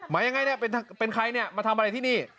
ยังไงเนี่ยเป็นใครเนี่ยมาทำอะไรที่นี่